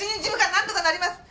なんとかなりま！